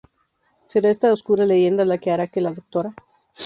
Será esta oscura leyenda la que hará que la Dra.